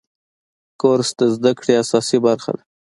کورس د زده کړې اساسي برخه ده.